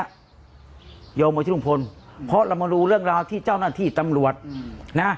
โยงไปที่ลุงพลเพราะเรามาดูเรื่องราวที่เจ้าหน้าที่ตำรวจนะ